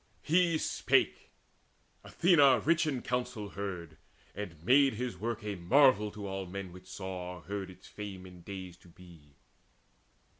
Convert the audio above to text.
He spake: Athena rich in counsel heard, And made his work a marvel to all men Which saw, or heard its fame in days to be.